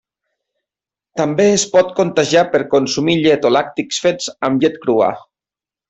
També es pot contagiar per consumir llet o làctics fets amb llet crua.